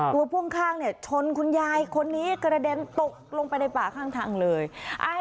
พ่วงข้างเนี่ยชนคุณยายคนนี้กระเด็นตกลงไปในป่าข้างทางเลย